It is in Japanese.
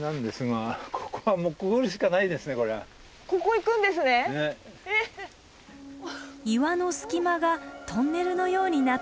道なんですが岩の隙間がトンネルのようになっていました。